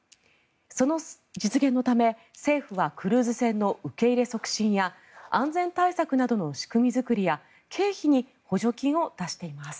その実現のため政府はクルーズ船の受け入れ促進や安全対策などの仕組み作りや経費に補助金を出しています。